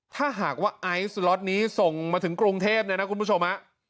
ถ้าหากว่าไอซ์ล็อตนี้ส่งมาถึงกรุงเทพเนี่ยนะคุณผู้ชม